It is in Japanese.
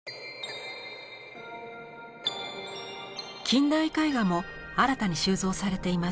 近代絵画も新たに収蔵されています。